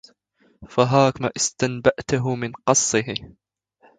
فهاكَ ما استنبأْته من قَصِّهِ